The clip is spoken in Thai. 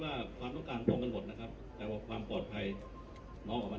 น้ำเวลานั้นจะได้เห็นแล้วว่า